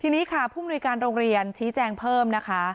ทีนี้ค่ะผู้มนุยการโรงเรียนชี้แจงเพิ่มนะคะ